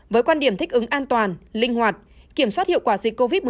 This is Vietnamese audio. với quan điểm thích ứng an toàn linh hoạt kiểm soát hiệu quả dịch covid một mươi chín